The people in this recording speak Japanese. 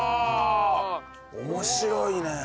面白いね。